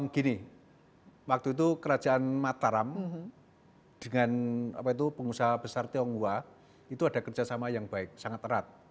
gini waktu itu kerajaan mataram dengan pengusaha besar tionghoa itu ada kerjasama yang baik sangat erat